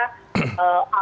pondok pesantren sementara